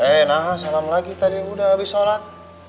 eh nah salam lagi tadi udah abis sholat